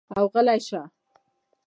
او غلے شۀ ـ